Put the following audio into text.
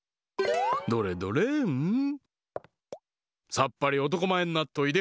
さっぱりおとこまえになっといで！